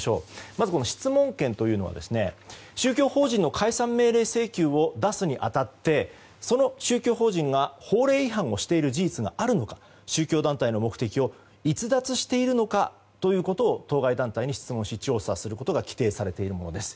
まず質問権というのは宗教法人の解散命令請求を出すに当たってその宗教法人が法令違反をしている事実があるのか宗教団体の目的を逸脱しているのかということを当該団体に質問し調査することが規定されているものです。